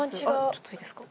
ちょっといいですか？